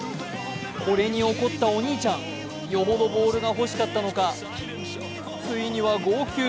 これに怒ったお兄ちゃん、よほどボールが欲しかったのか、ついには号泣。